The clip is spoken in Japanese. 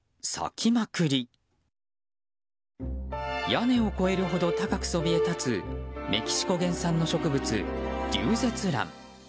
屋根を超えるほど高くそびえ立つメキシコ原産の植物リュウゼツラン。